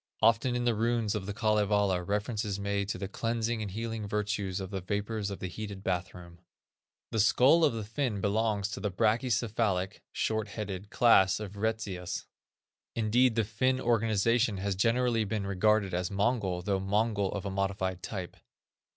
Often in the runes of The Kalevala reference is made to the "cleansing and healing virtues of the vapors of the heated bathroom." The skull of the Finn belongs to the brachycephalic (short headed) class of Retzius. Indeed the Finn organization has generally been regarded as Mongol, though Mongol of a modified type.